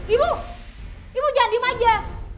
ibu ibu jangan diem aja